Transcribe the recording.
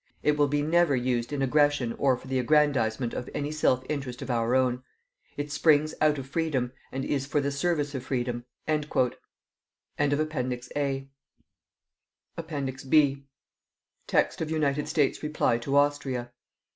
It will be never used in aggression or for the aggrandizement of any selfish interest of our own. It springs out of freedom and is for the service of freedom." APPENDIX B. TEXT OF UNITED STATES REPLY TO AUSTRIA.